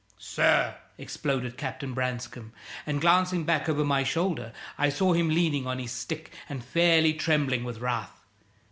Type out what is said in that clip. "Sir!" exploded Captain Branscome, and glancing back over my shoulder I saw him leaning on his stick and fairly trembling with wrath.